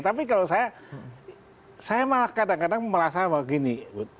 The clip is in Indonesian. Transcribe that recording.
tapi kalau saya saya malah kadang kadang merasa begini